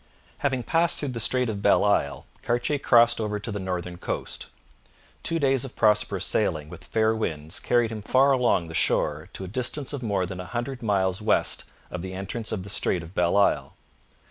Having passed through the Strait of Belle Isle, Cartier crossed over to the northern coast. Two days of prosperous sailing with fair winds carried him far along the shore to a distance of more than a hundred miles west of the entrance of the Strait of Belle Isle.